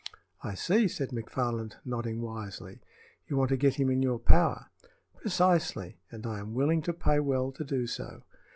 "I see," said McFarland, nodding wisely. "You want to get him in your power." "Precisely; and I am willing to pay well to do so."